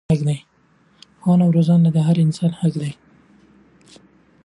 ښوونه او روزنه د هر انسان حق دی.